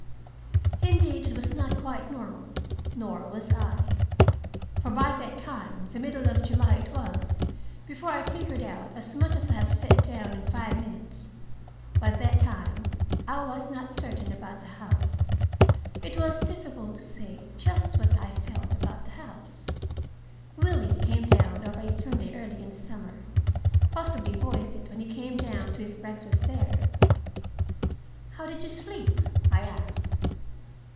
Indeed, it was not quite normal, nor was I. For by that time the middle of July it was before I figured out as much as I have set down in five minutes by that time I was not certain about the house. It was difficult to say just what I felt about the house. Willie, who came down over a Sunday early in the summer, possibly voiced it when he came down to his breakfast there. "How did you sleep?" I asked.